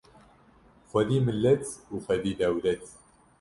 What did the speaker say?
Xwedî millet û xwedî dewlet